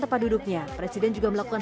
tempat duduknya presiden juga melakukan